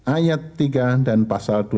ayat tiga dan pasal dua puluh delapan d f